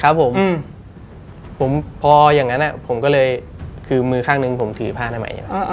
ครับผมผมพออย่างนั้นผมก็เลยคือมือข้างหนึ่งผมถือผ้าหน้าใหม่